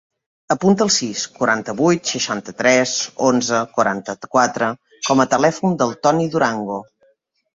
Apunta el sis, quaranta-vuit, seixanta-tres, onze, quaranta-quatre com a telèfon del Toni Durango.